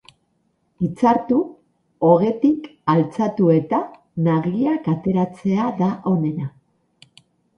Itzartu, ogetik altxatu eta nagiak ateratzea da onena.